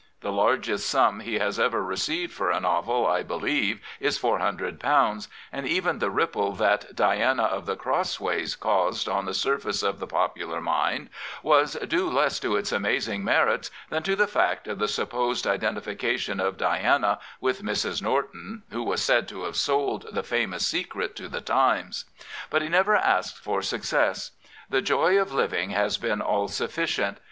The largest sum he has ever received for a novel, I believe, is £400, and even the ripple that Diana of the Crossways caused on the surface of the popular mind was due less to its amazing merits than to the fact of the supposed identification of Diana with Mrs. Norton, who was said to have sold the famous secret to the Times, But he never asked for success. The joy of living has been all sufficient.